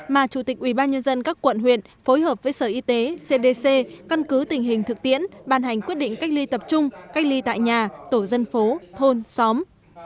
mà chủ tịch ubnd các quận huyện phối hợp với sở y tế cdc căn cứ tình hình thực tiễn bàn hành quyết định cách ly tập trung cách ly tại nhà tổ dân phố thôn xóm